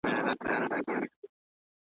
څوک په پردیو نه وي ښاغلي `